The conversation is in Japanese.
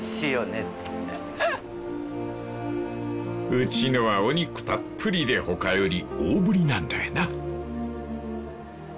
［うちのはお肉たっぷりで他より大ぶりなんだよな］